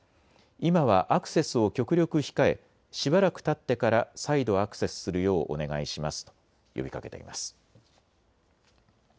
今はアクセスを極力控えしばらくたってから再度アクセスするようお願いしますと呼びかけています。